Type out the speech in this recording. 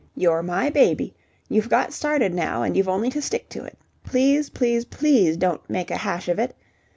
You're my baby. You've got started now and you've only to stick to it. Please, please, please don't 'make a hash of it'!